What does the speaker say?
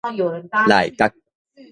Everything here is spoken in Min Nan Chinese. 内角